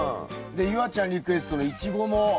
夕空ちゃんリクエストのイチゴもほら。